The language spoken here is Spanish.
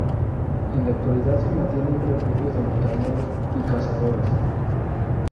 En la actualidad se mantiene un refugio de montañeros y cazadores.